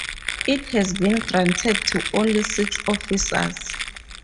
It has been granted to only six officers.